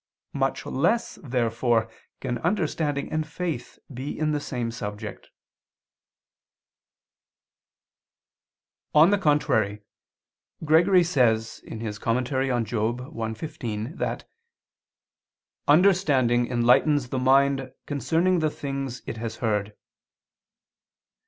Much less, therefore, can understanding and faith be in the same subject. On the contrary, Gregory says (Moral. i, 15) that "understanding enlightens the mind concerning the things it has heard."